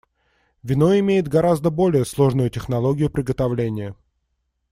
Вино имеет гораздо более сложную технологию приготовления.